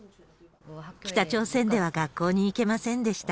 北朝鮮では学校に行けませんでした。